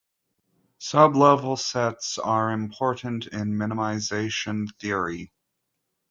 Sublevel sets are important in minimization theory.